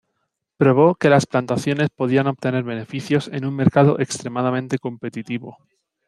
Probó que las plantaciones podían obtener beneficios en un mercado extremadamente competitivo.